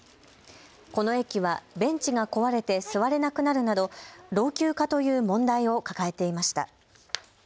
この駅はベンチが壊れて座れなくなるなど老朽化という問題を抱えていました。